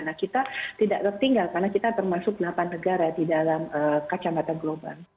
nah kita tidak tertinggal karena kita termasuk delapan negara di dalam kacamata global